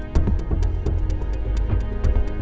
ในกรุณารภรรยากาศ